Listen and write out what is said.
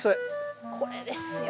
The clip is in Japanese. これですよ